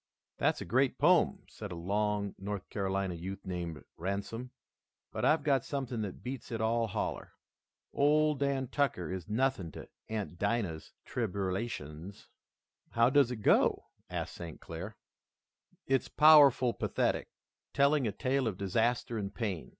"That's a great poem," said a long North Carolina youth named Ransome, "but I've got something that beats it all holler. 'Ole Dan Tucker' is nothing to 'Aunt Dinah's Tribberlations.'" "How does it go?" asked St. Clair. "It's powerful pathetic, telling a tale of disaster and pain.